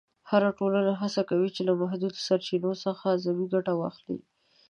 هره ټولنه هڅه کوي چې له محدودو سرچینو څخه اعظمي ګټه واخلي.